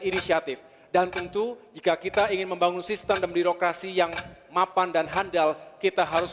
inisiatif dan tentu jika kita ingin membangun sistem dan birokrasi yang mapan dan handal kita harus